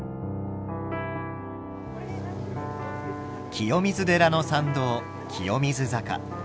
清水寺の参道清水坂。